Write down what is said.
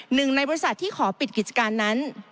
หนึ่งในบริษัทที่ขอปิดกิจการนั้น